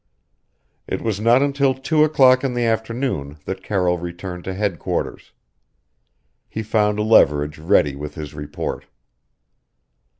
It was not until two o'clock in the afternoon that Carroll returned to headquarters. He found Leverage ready with his report.